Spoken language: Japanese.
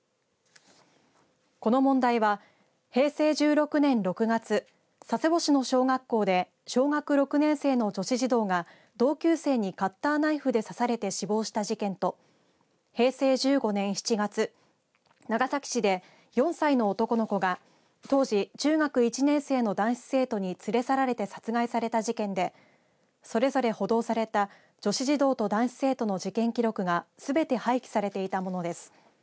この問題は平成１６年６月佐世保市の小学校で小学６年生の女子児童が同級生にカッターナイフで刺されて死亡した事件と平成１５年７月長崎市で４歳の男の子が当時、中学１年生の男子生徒に連れ去られて殺害された事件でそれぞれ補導された女子児童と男子生徒の事件記録がすべて廃棄されていたものです。